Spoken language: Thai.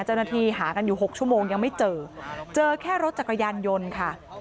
เจ้าหน้าที่หากันอยู่๖ชั่วโมงยังไม่เจอเจอแค่รถจักรยานยนต์ค่ะ